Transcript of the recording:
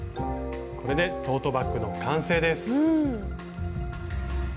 これでトートバッグの完成です。